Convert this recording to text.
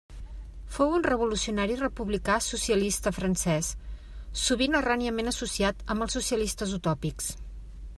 Fou un revolucionari republicà socialista francès, sovint erròniament associat amb els socialistes utòpics.